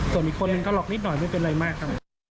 ส่วนอีกคนนึงก็ล็อกนิดหน่อยไม่เป็นไรมากครับ